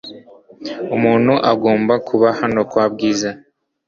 Umuntu agomba kuba hano kwa Bwiza .